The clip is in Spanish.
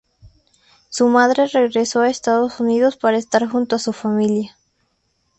Su madre regresó a Estados Unidos para estar junto a su familia.